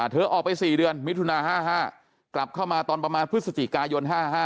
เธอออกไป๔เดือนมิถุนา๕๕กลับเข้ามาตอนประมาณพฤศจิกายน๕๕